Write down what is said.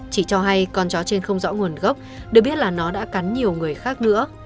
chỉ cho hay con chó trên không rõ nguồn gốc được biết là nó đã cắn nhiều người khác nữa